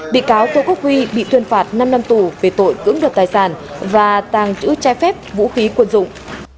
bị cáo tô quốc huy bị tuyên phạt năm năm tù về tội cưỡng đoạt tài sản và tàng trữ trái phép vũ khí quân dụng